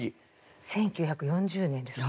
１９４０年ですね。